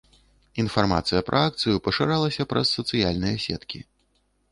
Інфармацыя пра акцыю пашыралася праз сацыяльныя сеткі.